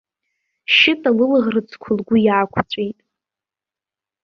Шьыта лылаӷырӡқәа лгәы иаақәҵәеит.